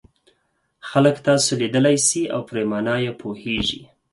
خلک تاسو لیدلای شي او پر مانا یې پوهیږي.